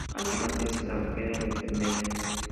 Además es granjera y enfermera.